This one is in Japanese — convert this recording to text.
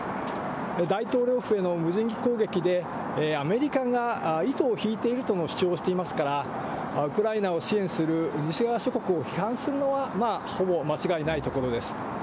大統領府への無人機攻撃で、アメリカが糸を引いているとの主張をしていますから、ウクライナを支援する西側諸国を批判するのは、ほぼ間違いないところです。